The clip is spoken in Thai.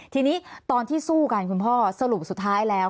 ทีนี้ตอนที่สู้กันคุณพ่อสรุปสุดท้ายแล้ว